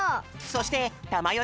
そしてたまよ